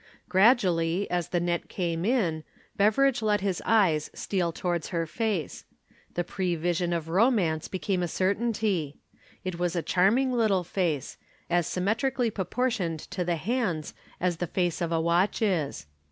Gradually, as the net came in, Beveridge let his eyes steal towards her face. The prevision of romance became a certainty. It was a charming little face, as symmetrically proportioned to the hands as the face of a watch is.